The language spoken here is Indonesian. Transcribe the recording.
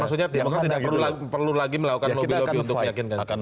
maksudnya demokrat tidak perlu lagi melakukan lobby lobby untuk meyakinkan